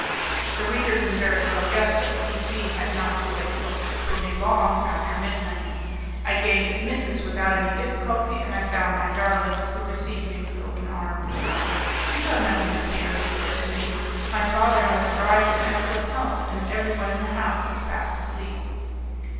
The reader can very well guess that C C had not to wait for me long after midnight. I gained admittance without any difficulty, and I found my darling, who received me with open arms. "You have nothing to fear," she said to me; "my father has arrived in excellent health, and everyone in the house is fast asleep."